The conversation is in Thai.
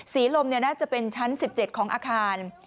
ศรีลมน่าจะเป็นชั้น๑๗ของอาคาร